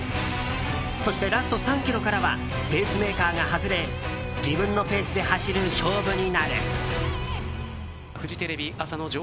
そして、ラスト３ｋｍからはペースメーカーが外れ自分のペースで走る勝負になる。